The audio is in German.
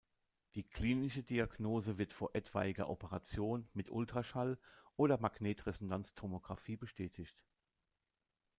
Die klinische Diagnose wird vor etwaiger Operation mit Ultraschall oder Magnetresonanztomographie bestätigt.